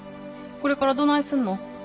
これからどないすんの？